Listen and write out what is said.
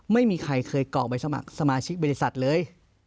ไม่มีใครเคยกรอกใบสมัครสมาชิกบริษัทเลย